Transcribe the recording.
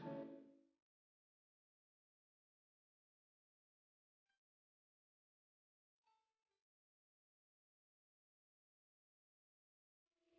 pertemuan dengan fahmi